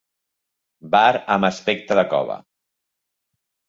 Bar amb aspecte de cova.